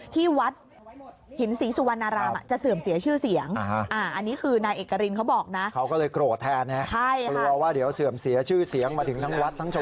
ที่วัดหินศรีสุวรรณรามจะเสื่อมเสียชื่อเสียง